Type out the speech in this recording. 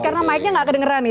karena mic nya gak kedengeran nih